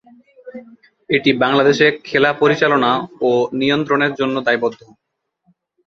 এটি বাংলাদেশে খেলা পরিচালনা ও নিয়ন্ত্রণের জন্য দায়বদ্ধ।